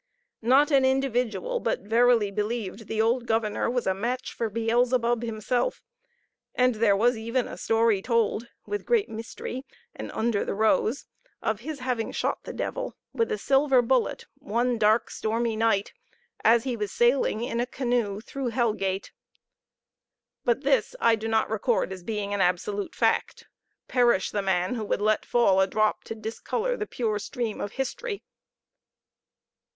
Not an individual but verily believed the old governor was a match for Beelzebub himself; and there was even a story told, with great mystery, and under the rose, of his having shot the devil with a silver bullet one dark stormy night as he was sailing in a canoe through Hell gate; but this I do not record as being an absolute fact. Perish the man who would let fall a drop to discolor the pure stream of history!